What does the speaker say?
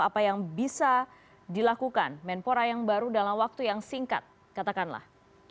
apa yang bisa dilakukan menpora yang baru dalam waktu yang singkat katakanlah